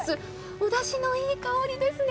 おだしのいい香りですね。